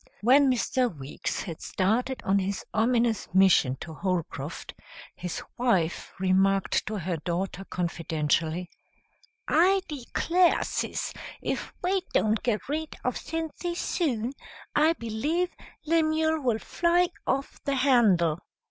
When Mr. Weeks had started on his ominous mission to Holcroft his wife remarked to her daughter confidentially, "I declare, sis, if we don't get rid of Cynthy soon, I believe Lemuel will fly off the handle."